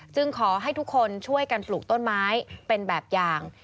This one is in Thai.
ขอให้ทุกคนช่วยกันปลูกต้นไม้เป็นแบบอย่าง